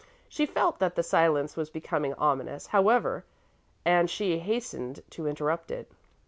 She felt that the silence was becoming ominous, however, and she hastened to interrupt it.